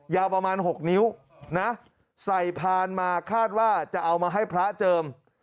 ยาวประมาณ๖นิ้วนะใส่พานมาคาดว่าจะเอามาให้พระเจิม